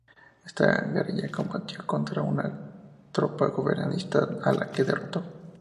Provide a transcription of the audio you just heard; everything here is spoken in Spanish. Esta guerrilla combatió contra una tropa gobiernista a la que derrotó.